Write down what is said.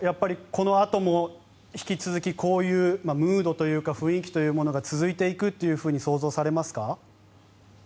このあとも引き続きこういうムードというか雰囲気というものが続いていくと想像されますか。